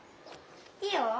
いいよ。